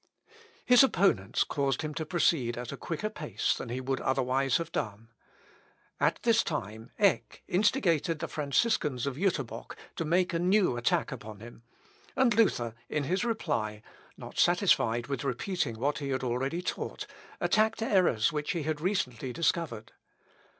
His opponents caused him to proceed at a quicker pace than he would otherwise have done. At this time Eck instigated the Franciscans of Juterbock to make a new attack upon him; and Luther, in his reply, not satisfied with repeating what he had already taught, attacked errors which he had recently discovered.